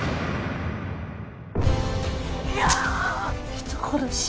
人殺し！